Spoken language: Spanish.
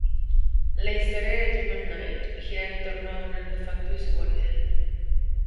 La historia de "Demon Knight" gira en torno a un artefacto y su guardián.